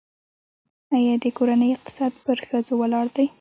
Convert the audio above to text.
آیا د کورنۍ اقتصاد پر ښځو ولاړ دی؟